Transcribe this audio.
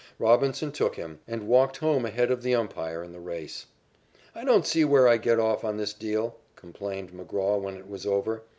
Robinson took him, and walked home ahead of the umpire in the race. "I don't see where I get off on this deal," complained McGraw when it was over.